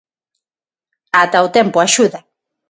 Ata o tempo axuda.